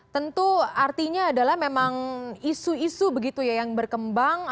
tentu artinya adalah memang isu isu begitu ya yang berkembang